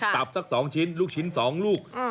สัก๒ชิ้นลูกชิ้น๒ลูก